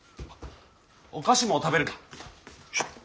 お菓子も食べるか？